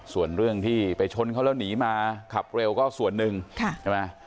ส่วนเรื่องที่ไปชนเขาแล้วหนีมาขับเร็วก็ส่วนหนึ่งใช่ไหม